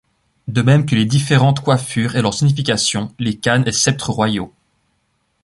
De même que les différentes coiffures et leurs significations, les cannes et sceptres royaux.